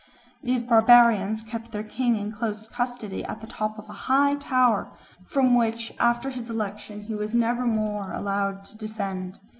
These barbarians kept their king in close custody at the top of a high tower, from which after his election he was never more allowed to descend.